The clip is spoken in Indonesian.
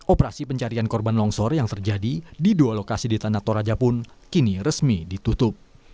operasi pencarian korban longsor yang terjadi di dua lokasi di tanah toraja pun kini resmi ditutup